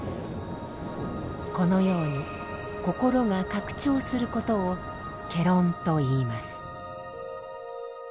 このように心が拡張することを「戯論」といいます。